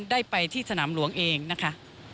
ได้ไปที่สนามหลวงเองนะคะ